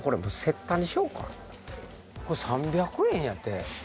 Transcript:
これ３００円やて！